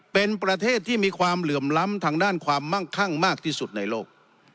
เป็นประเทศที่มีความเหลื่อมล้ำทางด้านความมั่งคั่งมากที่สุดในโลก